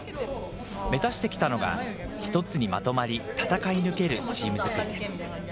目指してきたのが、１つにまとまり戦い抜けるチーム作りです。